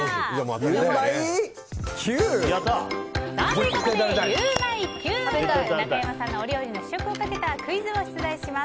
ゆウマいＱ！ということで、ゆウマいＱ中山さんのお料理の試食をかけたクイズを出題します。